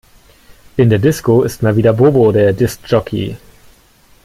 In der Disco ist mal wieder Bobo der Disk Jockey.